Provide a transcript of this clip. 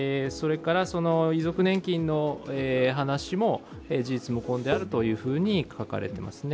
遺族年金の話も、事実無根であるというふうに書かれていますね。